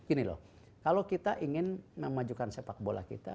gini loh kalau kita ingin memajukan sepak bola kita